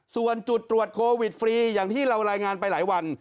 ส่วนจุดตรวจโควิดฟรีอย่างที่เรารายงานไปหลายวัน